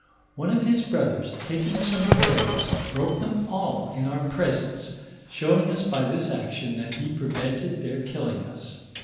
One of his brothers taking some arrows, broke them all in our presence, showing us by this action, that he prevented their killing us.